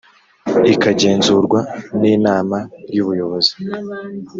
ikagenzurwa n inama y ubuyobozi